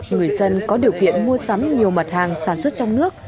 người dân có điều kiện mua sắm nhiều mặt hàng sản xuất trong nước